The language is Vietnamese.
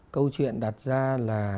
câu chuyện đặt ra là